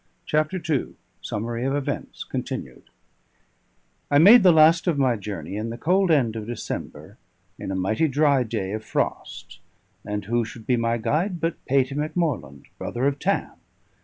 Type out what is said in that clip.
CHAPTER II SUMMARY OF EVENTS (continued) I made the last of my journey in the cold end of December, in a mighty dry day of frost, and who should be my guide but Patey Macmorland, brother of Tam!